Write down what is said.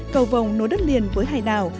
cầu vồng nối đất liền với hai đảo